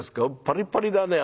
「パリパリだね。